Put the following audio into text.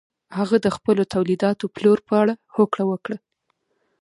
هغه د خپلو تولیداتو پلور په اړه هوکړه وکړه.